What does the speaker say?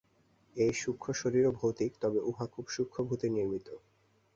এই সূক্ষ্মশরীরও ভৌতিক, তবে উহা খুব সূক্ষ্মভূতে নির্মিত।